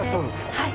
はい。